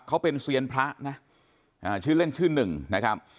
เขาเป็นเซียนพระนะชื่อเล่นชื่อหนึ่งนะครับ